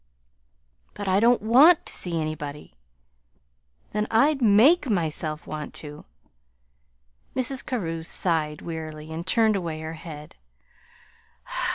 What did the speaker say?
"But I don't WANT to see anybody." "Then I'd MAKE myself want to." Mrs. Carew sighed wearily and turned away her head.